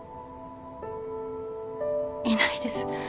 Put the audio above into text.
いないです。